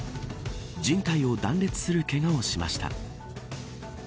靭帯を断裂するけがを負いました。